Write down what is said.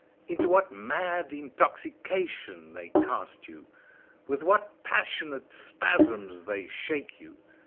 Into what mad intoxication they cast you! with what passionate spasms they shake you!